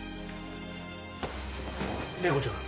麗子ちゃん